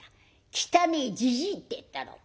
『汚えじじい』って言ったろ。